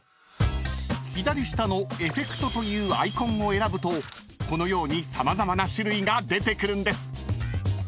［左下のエフェクトというアイコンを選ぶとこのように様々な種類が出てくるんです］